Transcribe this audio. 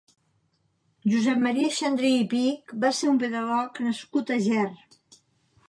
Josep Maria Xandri i Pich va ser un pedagog nascut a Ger.